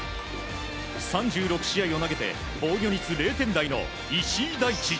３６試合を投げて防御率０点台の石井大智。